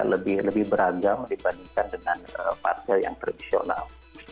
lebih beragam dibandingkan dengan partai yang tradisional